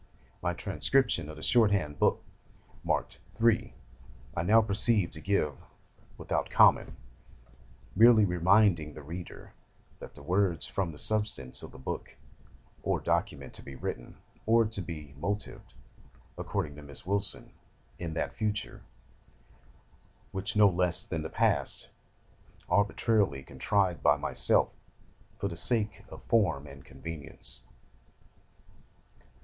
My transcription of the shorthand book marked 'III.' I now proceed to give without comment, merely reminding the reader that the words form the substance of a book or document to be written, or to be motived (according to Miss Wilson) in that Future, which, no less than the Past, substantively exists in the Present though, like the Past, we see it not.